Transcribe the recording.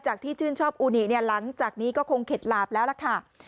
ที่ชื่นชอบอูนิเนี่ยหลังจากนี้ก็คงเข็ดหลาบแล้วล่ะค่ะ